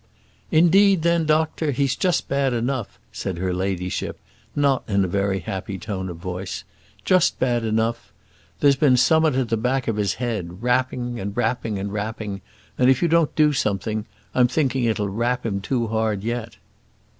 "Indeed then, doctor, he's just bad enough," said her ladyship, not in a very happy tone of voice; "just bad enough. There's been some'at at the back of his head, rapping, and rapping, and rapping; and if you don't do something, I'm thinking it will rap him too hard yet."